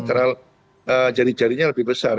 karena jari jarinya lebih besar